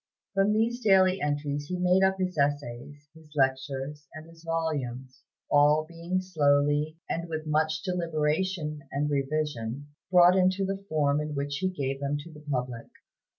From these daily entries he made up his essays, his lectures, and his volumes; all being slowly, and with much deliberation and revision, brought into the form in which he gave them to the public.